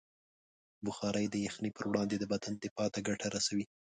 بخاري د یخنۍ پر وړاندې د بدن دفاع ته ګټه رسوي.